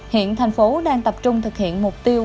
hiện thành phố đang tập trung thực hiện mục tiêu